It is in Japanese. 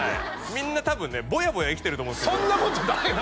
みんな多分ねボヤボヤ生きてると思うんですけどそんなことないよ